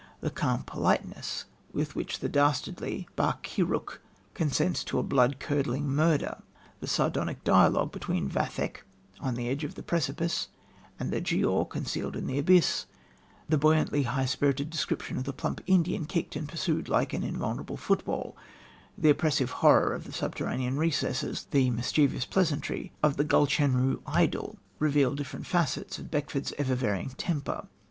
The calm politeness with which the dastardly Barkiaroukh consents to a blood curdling murder, the sardonic dialogue between Vathek on the edge of the precipice and the Giaour concealed in the abyss, the buoyantly high spirited description of the plump Indian kicked and pursued like "an invulnerable football," the oppressive horror of the subterranean recesses, the mischievous pleasantry of the Gulchenrouz idyll reveal different facets of Beckford's ever varying temper.